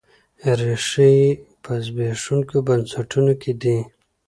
ریښې یې په زبېښونکو بنسټونو کې دي.